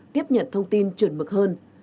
tiếp nhận thông tin truyền mực hơn